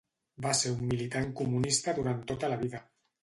Va ser un militant comunista durant tota la vida.